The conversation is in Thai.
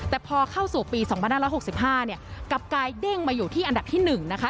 แต่พอเข้าสู่ปี๒๕๖๕เนี่ยกลับกลายเด้งมาอยู่ที่อันดับที่๑นะคะ